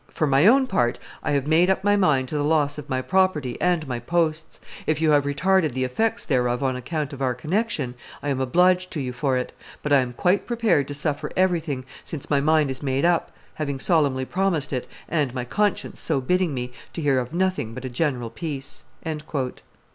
For my own part, I have made up my mind to the loss of my property and my posts; if you have retarded the effects thereof on account of our connection, I am obliged to you for it; but I am quite prepared to suffer everything, since my mind is made up, having solemnly promised it and my conscience so bidding me, to hear of nothing but a general peace."